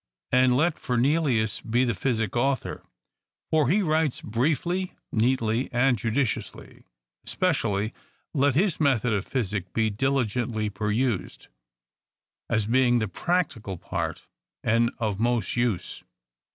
And let Fernelius be the physic author, for he writes briefly, neatly, and judi ciously ; especially let his Method of physic be diligently perused, as being the practical part, and of most use.